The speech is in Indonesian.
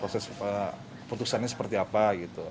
proses putusannya seperti apa gitu